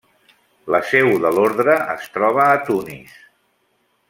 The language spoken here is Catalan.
La seu de l'Ordre es troba a Tunis.